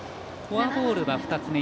フォアボールは２つ目。